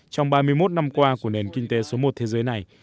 trong ba mươi một năm qua của nền kinh tế số một thế giới này